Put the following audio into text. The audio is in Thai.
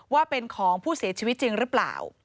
ว่าเป็นของผู้เสียชีวิตจริงหรือเปล่า